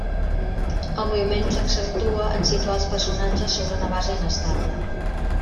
El moviment s'accentua en situar els personatges sobre una base inestable.